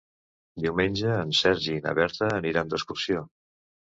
Diumenge en Sergi i na Berta aniran d'excursió.